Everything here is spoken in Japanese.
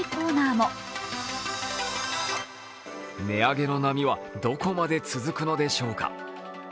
値上げの波はどこまで続くのでしょうか。